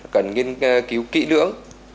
cần nghiên cứu kỹ lưỡng